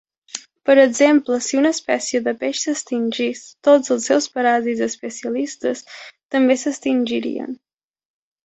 Per exemple, si una espècie de peix s'extingís, tots els seus paràsits especialistes també s'extingirien.